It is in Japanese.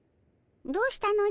どうしたのじゃ？